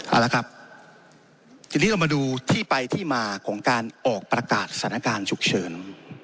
เอาละครับทีนี้เรามาดูที่ไปที่มาของการออกประกาศสถานการณ์ฉุกเฉิน